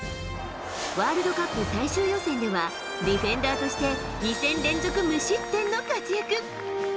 ワールドカップ最終予選では、ディフェンダーとして２戦連続無失点の活躍。